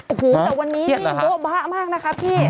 โอ้โฮแต่วันนี้เปล่าบ้ามากนะคะพี่